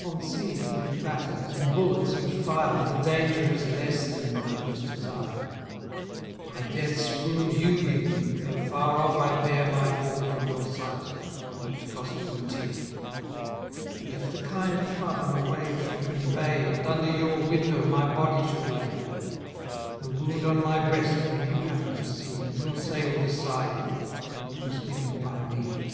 On seas and in battles, in bullets and fire, The danger is less than in hopeless desire; My death's wound you give me, though far off I bear My fall from your sight not to cost you a tear; But if the kind flood on a wave should convey, And under your window my body should lay, The wound on my breast when you happen to see, You'll say with a sigh it was given by me.